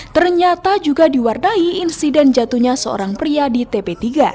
ternyata juga diwardai insiden jatuhnya seorang pria di tp tiga